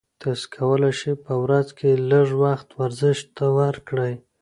تاسي کولای شئ په ورځ کې لږ وخت ورزش ته ورکړئ.